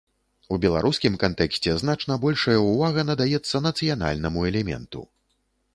У беларускім кантэксце значна большая ўвага надаецца нацыянальнаму элементу.